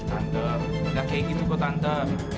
tante nggak kayak gitu kok tante